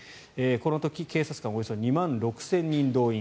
この時、警察官およそ２万６０００人動員。